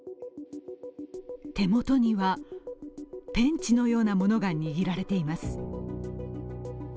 手元には、ペンチのようなものが握られています。